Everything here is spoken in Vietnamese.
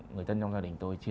người tân trong gia đình